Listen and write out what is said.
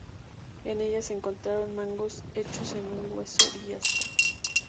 En ella se encontraron mangos hechos en hueso y asta.